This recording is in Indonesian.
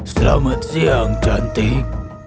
selamat siang cantik